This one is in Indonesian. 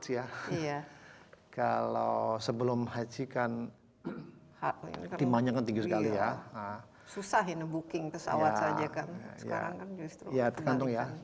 ya iya kalau sebelum haji kan hati hati manjakan tinggi sekali ya susahin booking pesawat saja kan